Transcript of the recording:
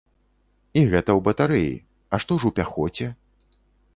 І гэта ў батарэі, а што ж у пяхоце?